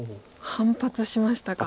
反発しましたか。